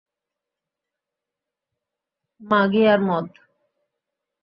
মাগি আর মদ।